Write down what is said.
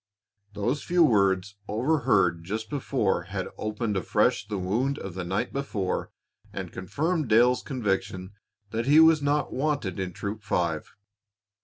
Those few words overheard just before had opened afresh the wound of the night before and confirmed Dale's conviction that he was not wanted in Troop Five.